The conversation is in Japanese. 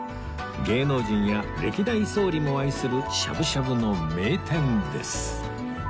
芸能人や歴代総理も愛するしゃぶしゃぶの名店です